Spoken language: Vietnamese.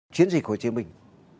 chiến dịch hồ chí minh